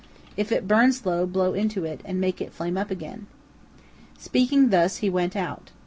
If it burns low, blow into it, and make it flame up again." Speaking thus, he went out.